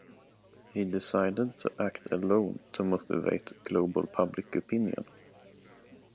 He decided to act alone to motivate global public opinion.